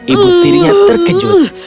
ibu tirinya terkejut